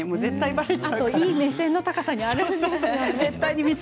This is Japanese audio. あといい目線の高さにあるんですよね。